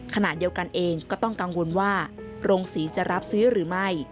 ขณะเดียวกันเองก็ต้องกังวลว่าโรงศรีจะรับซื้อหรือไม่